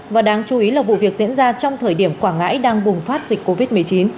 và đáng chú ý là vụ việc diễn ra trong thời điểm quảng ngãi đang bùng phát dịch covid một mươi chín